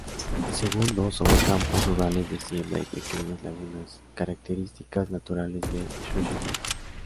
El Segundo sobre campos rurales de siembra y pequeñas lagunas, características naturales de Xochimilco.